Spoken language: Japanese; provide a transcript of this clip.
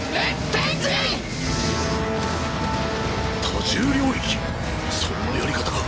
多重領域⁉そんなやり方が。